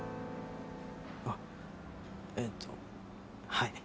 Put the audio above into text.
あっえっとはい。